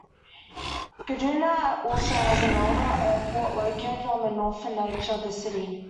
Kaduna also has an older airport located on the northern edge of the city.